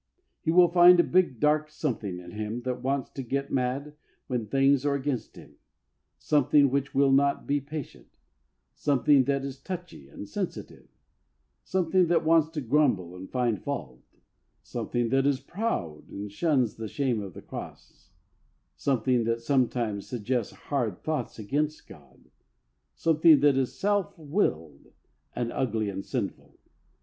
He will find a big, dark something in him that wants to get mad when things are against him ; something which will not be patient; something that is touchy and sensitive ; something that wants to grumble and find fault ; something that is proud and shuns the shame of the Cross; something that sometimes suggests hard thoughts against God ; something that is self willed and ugly and sinful.